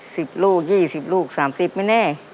ลูกยี่สิบลูกสามสิบไม่แน่